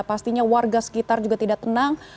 pastinya warga sekitar juga tidak tenang